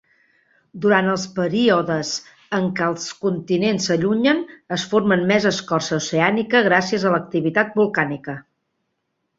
Durant els períodes en què els continents s'allunyen, es forma més escorça oceànica gràcies a l'activitat volcànica